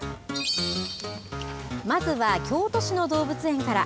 まずは京都市の動物園から。